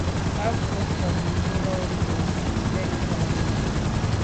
A be z’o tshob ndùlàlà mb’o bèn mbe nkagni.